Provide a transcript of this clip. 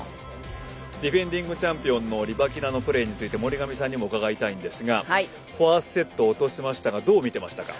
ディフェンディングチャンピオン、リバキナのプレーについて森上さんにも伺いたいんですが１セットを落としましたがどう見ていましたか？